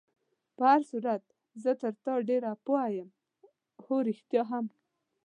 په هر صورت زه تر تا ډېر پوه یم، هو، رښتیا هم.